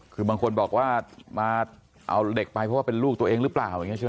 คือบางคนบอกว่ามาเอาเด็กไปเพราะว่าเป็นลูกตัวเองหรือเปล่าอย่างนี้ใช่ไหม